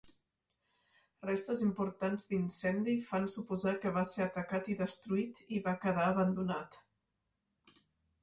Restes importants d'incendi fan suposar que va ser atacat i destruït, i va quedar abandonat.